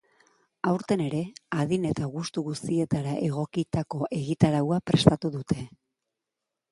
Aurten ere, adin eta gustu guztietara egokitako egitaraua prestatu dute.